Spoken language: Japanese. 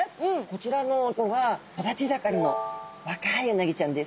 こちらの子が育ち盛りの若いうなぎちゃんです。